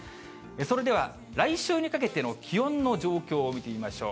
それでは来週にかけての気温の状況を見てみましょう。